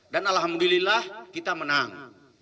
dan alhamdulillah kita menang